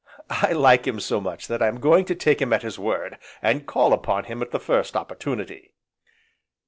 "I like him so much that I am going to take him at his word, and call upon him at the first opportunity."